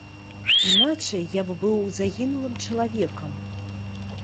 Іначай я б быў загінулым чалавекам.